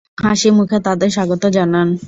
হাসিমুখে তাদের স্বাগত জানান।